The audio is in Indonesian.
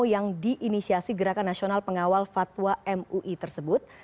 yang diinisiasi gerakan nasional pengawal fatwa mui tersebut